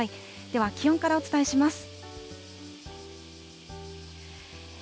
では気温からお伝えします。